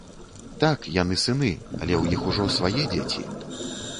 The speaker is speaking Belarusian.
Так, яны сыны, але ў іх ужо свае дзеці.